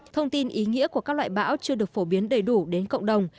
thông tin ý nghĩa của các loại bão chưa được phổ biến đầy đủ đến cộng đồng